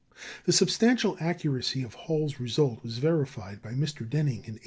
The substantial accuracy of Hall's result was verified by Mr. Denning in 1891.